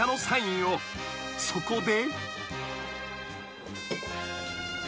［そこで］